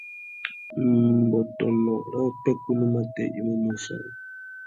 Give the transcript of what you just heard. Mbõtônô râ upwêkunú matê i mú môchia ari.